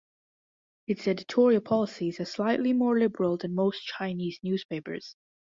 Its editorial policies are slightly more liberal than most Chinese newspapers.